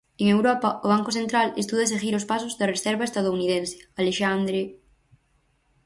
En Europa, o Banco Central estuda seguir os pasos da reserva estadounidense, Alexandre...